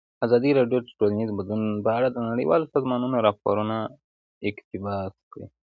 ازادي راډیو د ټولنیز بدلون په اړه د نړیوالو سازمانونو راپورونه اقتباس کړي.